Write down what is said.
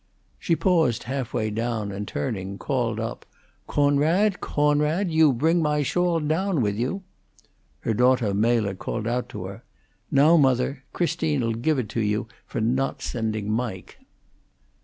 She paused half way down, and turning, called up: "Coonrod! Coonrod! You bring my shawl down with you." Her daughter Mela called out to her, "Now, mother, Christine 'll give it to you for not sending Mike."